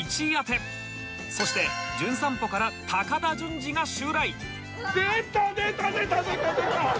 そして『じゅん散歩』から高田純次が襲来！